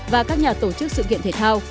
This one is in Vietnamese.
và các nhà tổ chức sự kiện thể thao